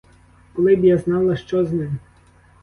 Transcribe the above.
Коли б я знала, що з ним?